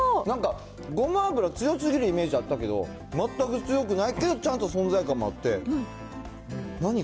なんか、ごま油強すぎるイメージあったけど、全く強くないけど、ちゃんと存在感もあって、何？